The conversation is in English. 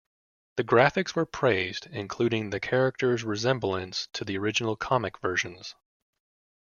The graphics were praised including the characters' resemblance to the original comic versions.